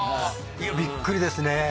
いやびっくりですね。